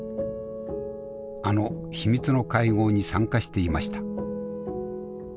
あの秘密の会合に参加していました。